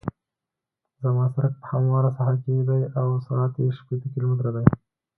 زما سرک په همواره ساحه کې دی او سرعت یې شپیته کیلومتره دی